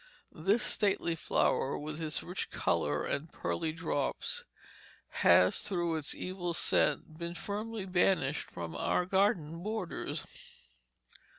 This stately flower, with its rich color and pearly drops, has through its evil scent been firmly banished from our garden borders.